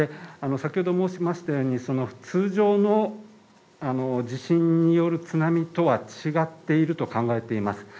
先ほど申しましたように通常の地震による津波とは違っていると考えています。